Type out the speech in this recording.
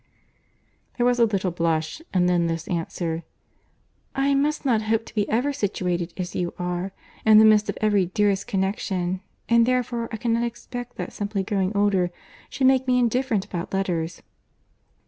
There was a little blush, and then this answer, "I must not hope to be ever situated as you are, in the midst of every dearest connexion, and therefore I cannot expect that simply growing older should make me indifferent about letters."